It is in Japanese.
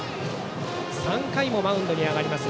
３回もマウンドに上がります。